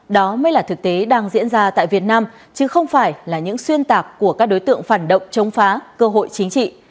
đó mới là thực tế đang diễn ra tại việt nam chứ không phải là những xuyên tạc của các đối tượng phản động chống phá cơ hội chính trị